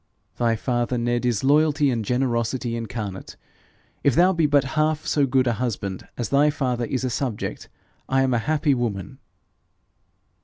'Thy father, Ned, is loyalty and generosity incarnate. If thou be but half so good a husband as thy father is a subject, I am a happy woman.'